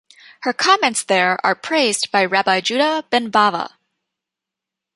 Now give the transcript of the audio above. Her comments there are praised by Rabbi Judah ben Bava.